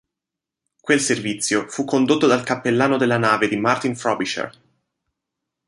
Quel servizio fu condotto dal cappellano della nave di Martin Frobisher.